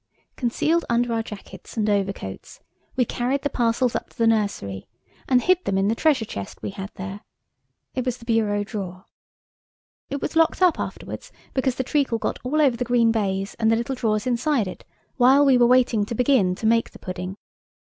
Concealed under our jackets and overcoats, we carried the parcels up to the nursery, and hid them in the treasure chest we had there. It was the bureau drawer. It was locked up afterwards because the treacle got all over the green baize and the little drawers inside it while we were waiting to begin to make the pudding.